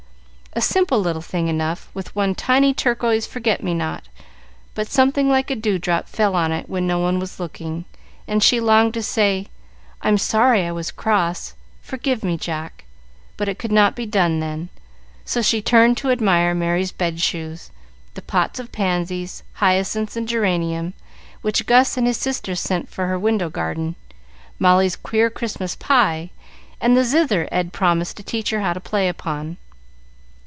A simple little thing enough, with one tiny turquoise forget me not, but something like a dew drop fell on it when no one was looking, and she longed to say, "I'm sorry I was cross; forgive me, Jack." But it could not be done then, so she turned to admire Merry's bed shoes, the pots of pansies, hyacinths, and geranium which Gus and his sisters sent for her window garden, Molly's queer Christmas pie, and the zither Ed promised to teach her how to play upon.